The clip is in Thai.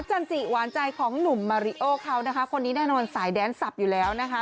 จันจิหวานใจของหนุ่มมาริโอเขานะคะคนนี้แน่นอนสายแดนสับอยู่แล้วนะคะ